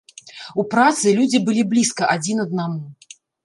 У працы людзі былі блізка адзін аднаму.